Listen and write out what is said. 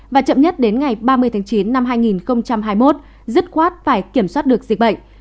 và chậm nhất đến ngày ba mươi tháng chín năm hai nghìn hai mươi một dứt khoát phải kiểm soát được dịch bệnh